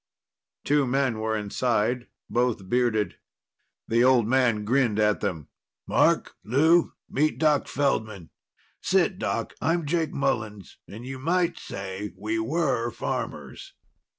Two men were inside, both bearded. The old man grinned at them. "Mark, Lou, meet Doc Feldman. Sit, Doc. I'm Jake Mullens, and you might say we were farmers."